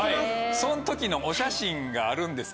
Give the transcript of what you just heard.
その時のお写真があるんですけど。